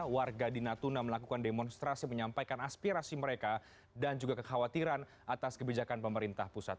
warga di natuna melakukan demonstrasi menyampaikan aspirasi mereka dan juga kekhawatiran atas kebijakan pemerintah pusat